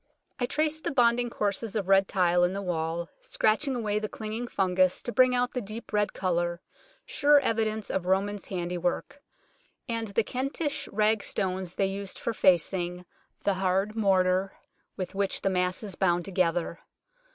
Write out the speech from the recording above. I traced the bonding courses of red tile in the wall, scratching away the clinging fungus to bring out the deep red colour, sure evidence of Romans' handiwork, and the Kentish rag stones they used for facing, the hard mortar with which the mass is bound together.